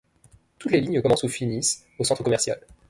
Toutes les lignes commencent ou finissent au centre commercial.